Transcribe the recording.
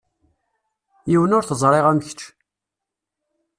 Yiwen ur t-ẓriɣ am kečč.